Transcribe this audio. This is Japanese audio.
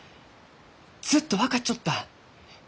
ずっと分かっちょった！